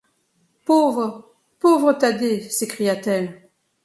Pauvre, pauvre Thaddée! s’écria-t-elle.